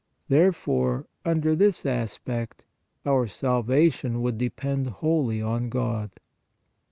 Therefore, under this aspect, our salvation would depend wholly on God.